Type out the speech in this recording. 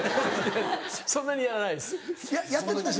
そんなにやらないです。